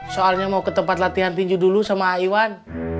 soalnya mau ke tempat latihan tinju dulu sama iwan